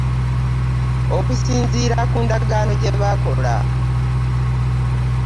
Okusinziira ku ndagaano gye baakola.